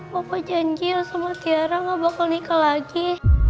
papa janji sama tiara ga bakal nikah lagi